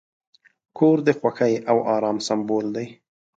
کور د خوښۍ او آرام سمبول دی.